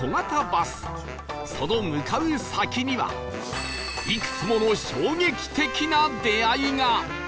その向かう先にはいくつもの衝撃的な出会いが！